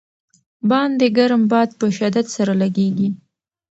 باندې ګرم باد په شدت سره لګېږي.